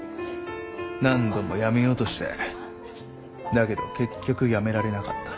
何度もやめようとしてだけど結局やめられなかった。